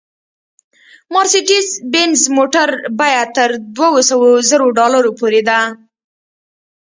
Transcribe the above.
مارسېډیز بینز موټر بیه تر دوه سوه زرو ډالرو پورې ده